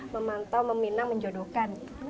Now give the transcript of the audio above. memantau meminang menjodohkan